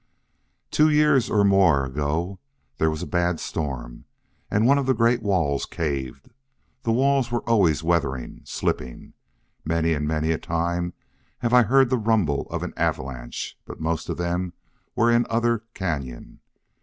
"Two years or more ago there was a bad storm, and one of the great walls caved. The walls were always weathering, slipping. Many and many a time have I heard the rumble of an avalanche, but most of them were in other cañon.